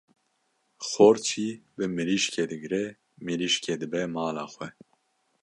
Xort jî bi mirîşkê digre, mirîşkê dibe mala xwe.